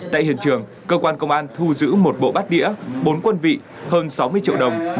tại hiện trường cơ quan công an thu giữ một bộ bát đĩa bốn quân vị hơn sáu mươi triệu đồng